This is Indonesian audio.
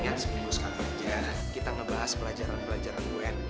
ingat seminggu sekarang aja kita ngebahas pelajaran pelajaran un